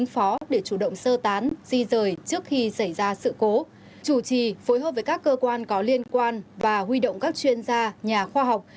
phối hợp với các cơ quan có liên quan và huy động các chuyên gia nhà khoa học